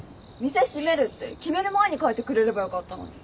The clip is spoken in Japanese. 店閉めるって決める前に書いてくれればよかったのに。